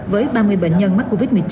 với ba mươi bệnh nhân mắc covid một mươi chín